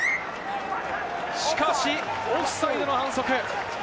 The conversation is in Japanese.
しかしオフサイドの反則。